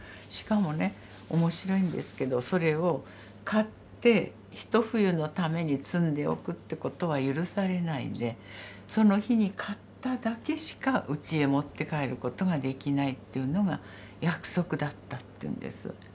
しかもね面白いんですけどそれを刈ってひと冬のために積んでおくってことは許されないんでその日に刈っただけしかうちへ持って帰ることができないっていうのが約束だったっていうんです。